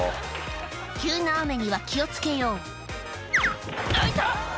急な雨には気を付けよう「あ痛っ！」